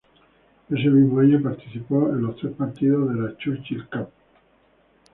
Ese mismo año participó en los tres partidos de la Churchill Cup.